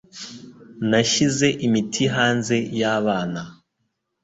Nashyize imiti hanze yabana.